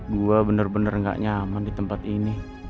saya benar benar tidak nyaman di tempat ini